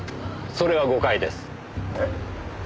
それは誤解です。え？